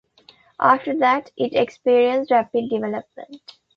After that, it experienced rapid development.